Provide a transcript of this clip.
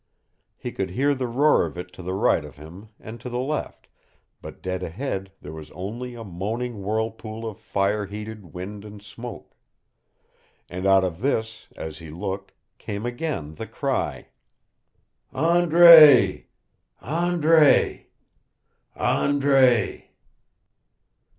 He could hear the roar of it to the right of him and to the left, but dead ahead there was only a moaning whirlpool of fire heated wind and smoke. And out of this, as he looked, came again the cry, "Andre Andre Andre!"